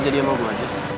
gak jadi emang gue aja